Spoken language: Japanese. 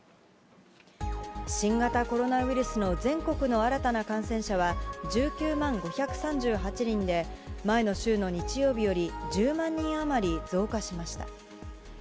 新型コロナウイルスの全国の新たな感染者は、１９万５３８人で、前の週の日曜日より１０万人余り増加しました。